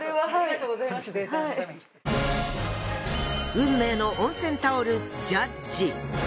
運命の温泉タオルジャッジ。